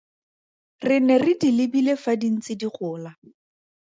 Re ne re di lebile fa di ntse di gola.